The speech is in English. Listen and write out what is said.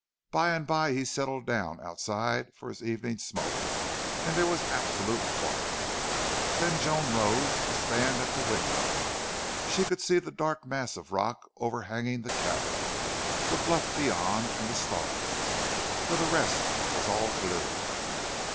By and by he settled down outside for his evening smoke and there was absolute quiet. Then Joan rose to stand at the window. She could see the dark mass of rock overhanging the cabin, the bluff beyond, and the stars. For the rest all was gloom.